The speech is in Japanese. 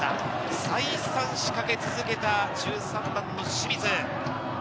再三、仕掛け続けた１３番の清水。